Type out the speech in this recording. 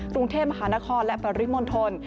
กรุงเทพธรรมฮานครและปริมลทน